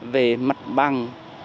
về mặt bằng